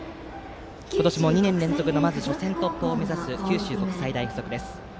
今年も２年連続の初戦突破を目指す九州国際大付属です。